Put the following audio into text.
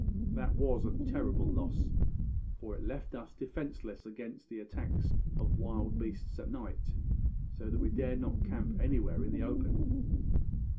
That was a terrible loss, for it left us defenceless against the attacks of wild beasts at night, so that we dared not camp anywhere in the open.